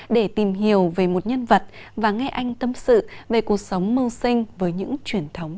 để tìm hiểu về một nhân vật và nghe anh tâm sự về cuộc sống mưu sinh với những truyền thống